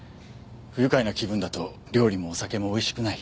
不愉快な気分だと料理もお酒も美味しくない。